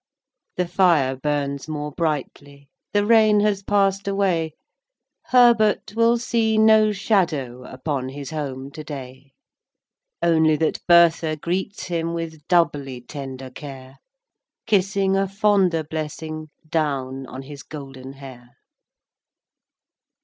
XVI. The fire burns more brightly, The rain has passed away, Herbert will see no shadow Upon his home to day; Only that Bertha greets him With doubly tender care, Kissing a fonder blessing Down on his golden hair.